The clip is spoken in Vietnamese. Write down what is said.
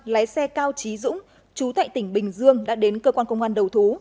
lái xe cao trí dũng chú tại tỉnh bình dương đã đến cơ quan công an đầu thú